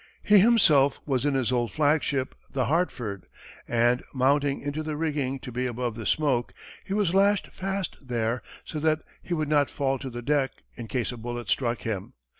He himself was in his old flagship, the Hartford, and mounting into the rigging to be above the smoke, he was lashed fast there, so that he would not fall to the deck, in case a bullet struck him.